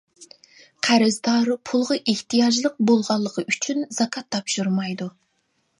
قەرزدار پۇلغا ئېھتىياجلىق بولغانلىقى ئۈچۈن زاكات تاپشۇرمايدۇ.